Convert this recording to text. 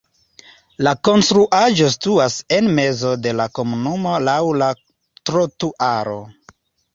La konstruaĵo situas en mezo de la komunumo laŭ la trotuaro.